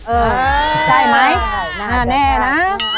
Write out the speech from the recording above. เออได้ไหมน่าแน่นะ